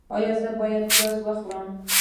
ایا زه باید پیاز وخورم؟